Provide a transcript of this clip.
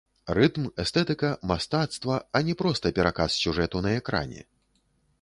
Рытм, эстэтыка, мастацтва, а не проста пераказ сюжэту на экране.